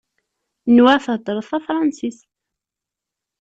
Nwiɣ theddreḍ tafransist.